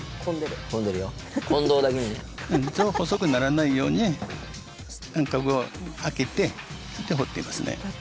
字を細くならないように間隔を空けて彫ってますね。